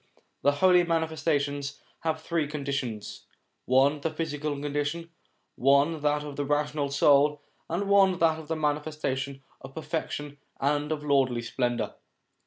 The Holy Manifestations have three conditions : one the physical condition ; one, that of the rational soul ; and one, that of the manifestation of perfection and of 254 SOME ANSWERED QUESTIONS the lordly splendour.